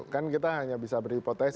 kan kita hanya bisa berhipotesi